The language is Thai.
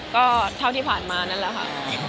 ก็เท่าที่ผ่านมานั่นแหละค่ะ